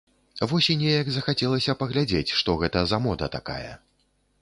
Вось і неяк захацелася паглядзець, што гэта за мода такая.